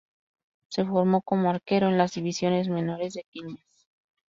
Se formó como arquero en las divisiones menores de Quilmes.